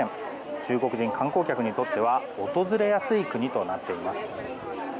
中国人観光客にとっては訪れやすい国となっています。